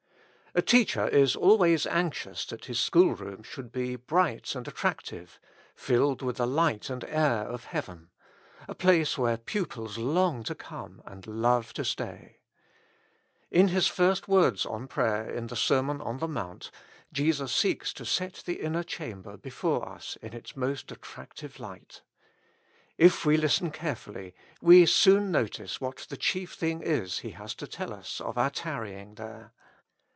A teacher is always anxious that his schoolroom should be bright and attractive, filled with the light and air of heaven ; a place where pupils long to come, and love to stay. In His first words on prayer in the Sermon on the Mount, Jesus seeks to set the inner chamber before us in its most attractive light. If we listen carefully, we soon notice what the chief thing is He has to tell us of our tarrying there.